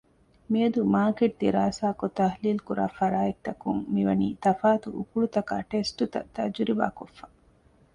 މިއަދު މާރކެޓް ދިރާސާކޮށް ތަޙްލީލުކުރާ ފަރާތްތަކުން މިވަނީ ތަފާތު އުކުޅުތަކާއި ޓެސްޓްތައް ތަޖުރިބާކޮށްފަ